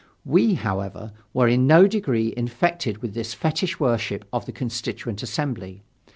We, however, were in no degree infected with this fetish worship of the Constituent Assembly.